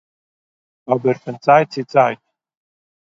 אָבער פון צייט-צו-צייט